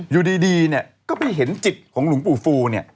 อยู่ดีก็ไปเห็นจิตของหลุงปู่ฟู